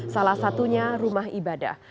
salah satunya rumah ibadah